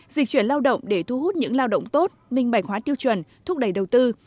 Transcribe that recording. dịch chuyển lao động để thu hút những lao động tốt minh bạch hóa tiêu chuẩn thúc đẩy đầu tư